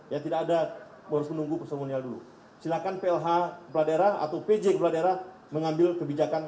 jadi saksinya enggak ada ya pak